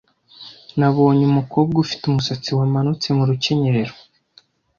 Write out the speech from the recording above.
Nabonye umukobwa ufite umusatsi wamanutse mu rukenyerero.